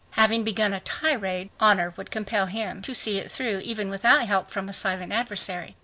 Having begun a tirade, honor would compel him to see it through even without help from a silent adversary.